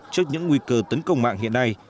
trước những nguy cơ tấn công mạng hiện nay